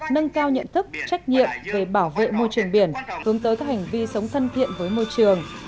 nâng cao nhận thức trách nhiệm về bảo vệ môi trường biển hướng tới các hành vi sống thân thiện với môi trường